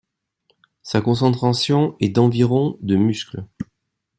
Sa concentration est d'environ de muscles.